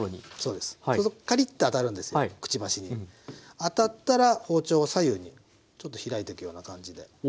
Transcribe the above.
当たったら包丁を左右にちょっと開いていくような感じで。